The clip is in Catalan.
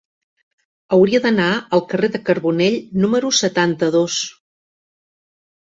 Hauria d'anar al carrer de Carbonell número setanta-dos.